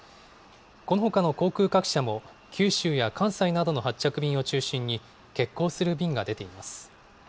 このほかの航空各社も九州や関西などの発着便を中心に、欠航する便が出ています。